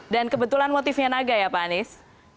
dan kebetulan motifnya naga ya pak anies